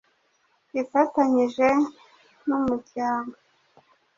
ifatanyije nu mryango